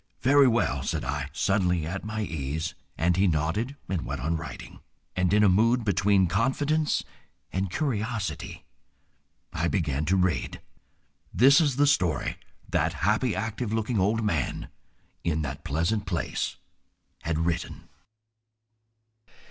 "Very well," said I, suddenly at my ease, and he nodded and went on writing. And in a mood between confidence and curiosity, I began to read. This is the story that happy, active looking old man in that pleasant place had written.